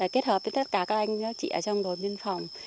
kết hợp với tất cả các anh các chị ở trong đồn biên phòng